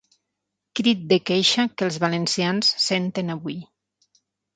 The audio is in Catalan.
Crit de queixa que els valencians senten avui.